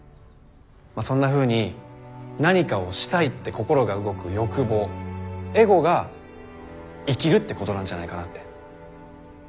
まあそんなふうに何かをしたいって心が動く欲望エゴが生きるってことなんじゃないかなって。